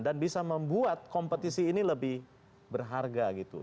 dan bisa membuat kompetisi ini lebih berharga gitu